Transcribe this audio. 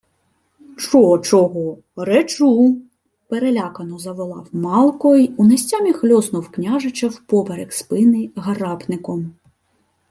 — Чо-чого, речу! — перелякано заволав Малко й у нестямі хльоснув княжича впоперек спини гарапником.